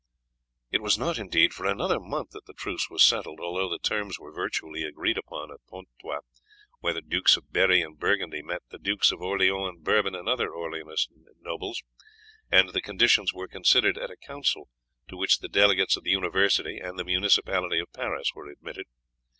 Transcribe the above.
It was not, indeed, for another month that the truce was settled, although the terms were virtually agreed upon at Pontois, where the Dukes of Berri and Burgundy met the Dukes of Orleans and Bourbon and the other Orleanist nobles, and the conditions were considered at a council to which the delegates of the University and the municipality of Paris were admitted.